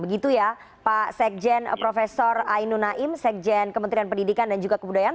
begitu ya pak sekjen prof ainu naim sekjen kementerian pendidikan dan juga kebudayaan